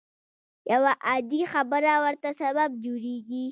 يوه عادي خبره ورته سبب جوړېږي.